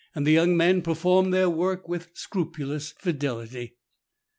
6^ the young men performed their work with scrupulous fidelity.